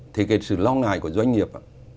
thì cái sự lo ngại của doanh nghiệp